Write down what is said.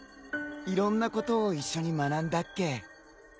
いろんなことを一緒に学んだっけ。